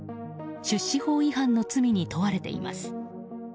出資法違反の罪に問われています。